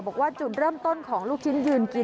บอกว่าจุดเริ่มต้นของลูกชิ้นยืนกิน